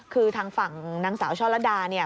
คือทางฝั่งนางสาวช่อละดาเนี่ย